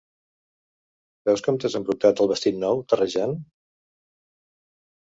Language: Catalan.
Veus com t'has embrutat el vestit nou, terrejant?